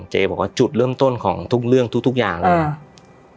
เจบอกว่าจุดเริ่มต้นของทุกเรื่องทุกอย่างเลย